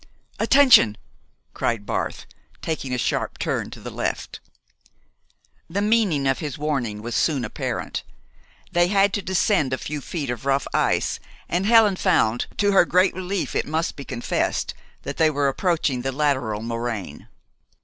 "Attention!" cried Barth, taking a sharp turn to the left. The meaning of his warning was soon apparent. They had to descend a few feet of rough ice, and Helen found, to her great relief it must be confessed, that they were approaching the lateral moraine.